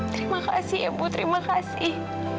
terima kasih ibu terima kasih